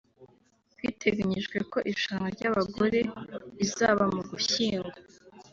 Biteganyijwe ko Irushanwa ry’abagore rizaba mu Ugushyingo